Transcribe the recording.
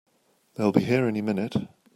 They'll be here any minute!